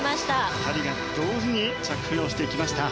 ２人同時に着氷していきました。